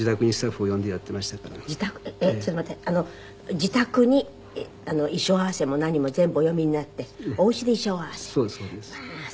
自宅に衣装合わせも何も全部お呼びになってお家で衣装合わせ？